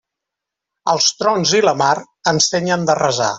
Els trons i la mar ensenyen de resar.